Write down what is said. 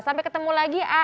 sampai ketemu lagi a